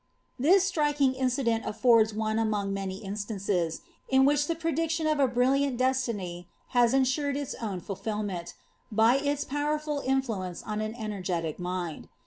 ^' This striking incident affords one among many instances, in which Ihe prediction of a brilliant destiny has insured its own fulfilment, by Is powerful influence on an energetic mind.